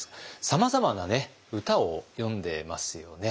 さまざまな歌を詠んでますよね。